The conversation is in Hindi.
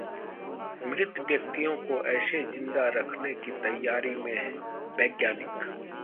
मृत व्यक्तियों को ऐसे जिंदा रखने की तैयारी में वैज्ञानिक!